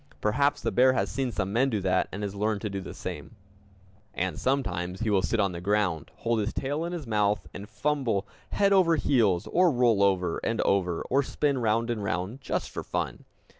Perhaps the bear has seen some men do that, and has learned to do the same! And sometimes he will sit on the ground, hold his tail in his mouth, and fumble head over heels, or roll over and over, or spin round and round just for fun!